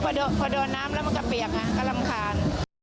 เพราะพอโดนน้ำแล้วมันก็เปียกนะแล้วก็รำคาญ